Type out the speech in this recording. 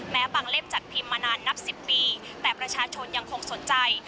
บางเล่มจัดพิมพ์มานานนับ๑๐ปีแต่ประชาชนยังคงสนใจ